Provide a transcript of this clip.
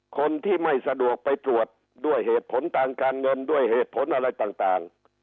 คนที่ไม่สะดวกไปตรวจด้วยเหตุผลทางการเงินด้วยเหตุผลอะไรต่าง